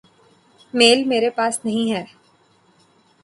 میل میرے پاس نہیں ہے۔۔